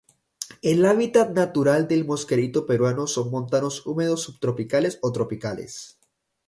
El hábitat natural del mosquerito peruano son montanos húmedos subtropicales o tropicales.